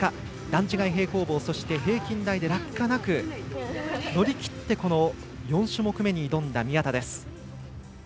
段違い平行棒、そして平均台で落下なく乗り切って４種目めに挑んだ宮田です。